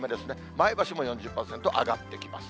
前橋も４０％、上がってきます。